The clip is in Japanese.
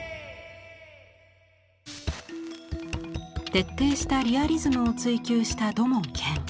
徹底したリアリズムを追求した土門拳。